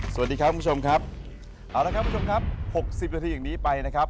สวัสดีครับคุณผู้ชมครับเอาละครับคุณผู้ชมครับหกสิบนาทีอย่างนี้ไปนะครับ